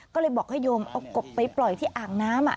ก็เลยบอกให้โยมเอากบไปปล่อยที่อ่างน้ำ